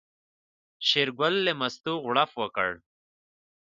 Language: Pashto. شېرګل له مستو غوړپ وکړ.